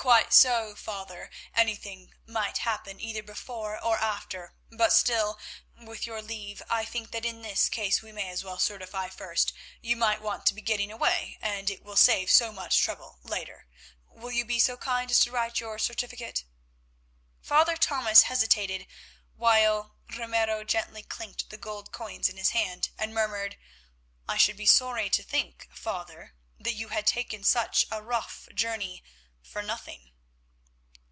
"Quite so, Father. Anything might happen either before or after; but still, with your leave, I think that in this case we may as well certify first; you might want to be getting away, and it will save so much trouble later. Will you be so kind as to write your certificate?" Father Thomas hesitated, while Ramiro gently clinked the gold coins in his hand and murmured, "I should be sorry to think, Father, that you had taken such a rough journey for nothing."